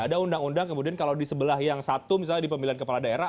ada undang undang kemudian kalau di sebelah yang satu misalnya di pemilihan kepala daerah